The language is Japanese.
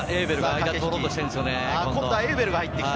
今度はエウベルが入ってきた。